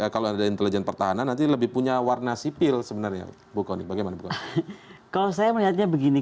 kalau saya melihatnya begini